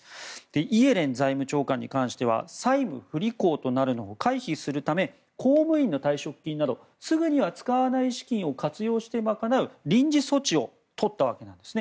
イエレン財務長官に関しては債務不履行となるのを回避するため公務員の退職金などすぐには使わない資金を活用して賄う臨時措置をとったわけなんですね。